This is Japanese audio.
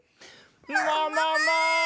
ももも！